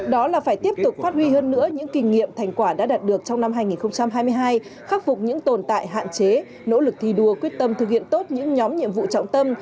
đó là phải tiếp tục phát huy hơn nữa những kinh nghiệm thành quả đã đạt được trong năm hai nghìn hai mươi hai khắc phục những tồn tại hạn chế nỗ lực thi đua quyết tâm thực hiện tốt những nhóm nhiệm vụ trọng tâm